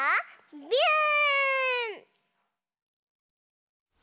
ビューン！